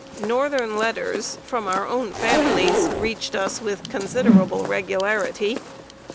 ] Northern letters from our own families reached us with considerable regularity.